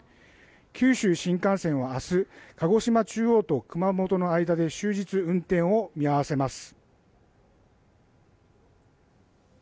九州新幹線は明日、鹿児島中央と熊本の間で終日、運転を見合わせます。